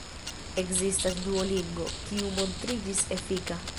Ekzistas Duolingo, kiu montriĝis efika.